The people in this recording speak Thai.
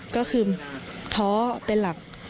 ก็คือท้อเป็นหลัก